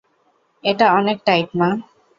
এটা অনেক টাইট, মা।